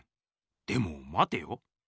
でもまてよ。